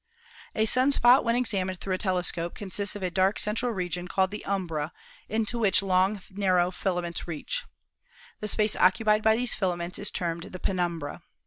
A sun spot when examined through a telescope consists of a dark central region called the umbra into which long, THE SUN 99 narrow filaments reach. The space occupied by these fila ments is termed the penumbra.